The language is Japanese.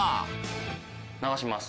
流します。